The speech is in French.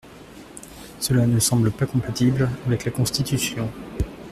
Cela ne me semble pas compatible avec la Constitution.